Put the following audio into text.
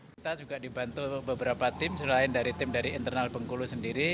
kita juga dibantu beberapa tim selain dari tim dari internal bengkulu sendiri